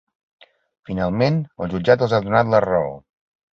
Finalment, el jutjat els ha donat la raó.